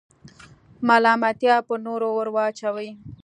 ملامتیا پر نورو وراچوئ.